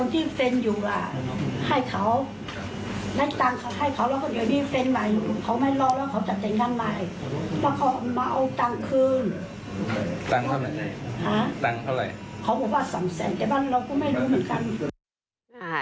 ถ้า๓แสนแต่บ้านเราก็ไม่รู้เหมือนกัน